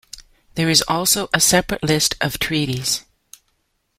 There is also a separate List of treaties.